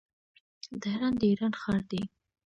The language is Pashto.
تهران د ايران ښار دی.